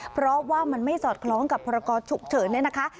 เพราะว่ามันไม่สอดคล้องกับพรกรฉุกเฉินเนี่ยนะคะ